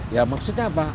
ya maksudnya apa